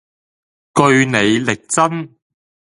據理力爭